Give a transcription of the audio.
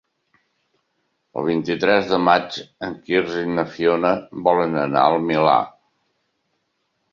El vint-i-tres de maig en Quirze i na Fiona volen anar al Milà.